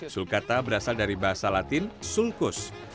sulcata berasal dari bahasa latin sulcus